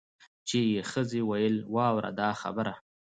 چي یې ښځي ویل واوره دا خبره